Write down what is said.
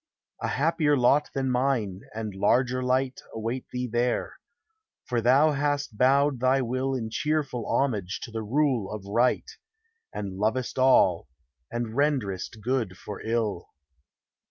A happier lot than mine, and larger light, Await thee there ; for thou hast bowed thy will 398 THE HIGHER LIFE. In cheerful homage to the rule of right, And lovest all, and renderest good for ill.